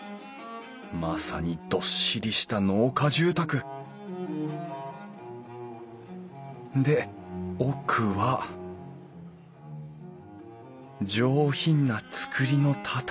まさにどっしりした農家住宅で奥は上品な作りの畳敷き。